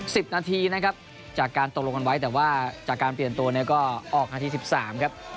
สิบนาทีนะครับจากการตกลงกันไว้แต่ว่าจากการเปลี่ยนตัวเนี่ยก็ออกนาทีสิบสามครับ